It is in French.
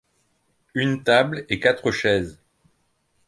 une table et quatre chaises